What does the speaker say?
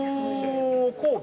神戸？